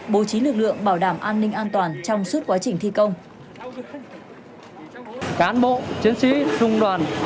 bố trí lực lượng bảo đảm an ninh an toàn trong suốt quá trình thi công